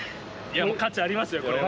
価値ありますよ、これは。